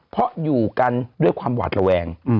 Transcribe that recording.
เพราะอยู่กันด้วยความหวาดระแวง